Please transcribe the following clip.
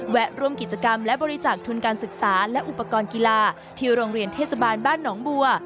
ร่วมกิจกรรมและบริจาคทุนการศึกษาและอุปกรณ์กีฬาที่โรงเรียนเทศบาลบ้านหนองบัว